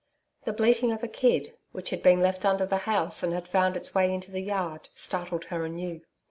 The bleating of a kid, which had been left under the house and had found its way into the yard, startled her anew.